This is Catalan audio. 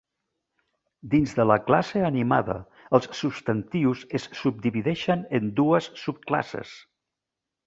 Dins de la classe animada, els substantius es subdivideixen en dues subclasses.